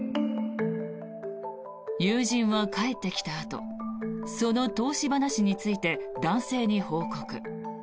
友人は帰ってきたあとその投資話について男性に報告。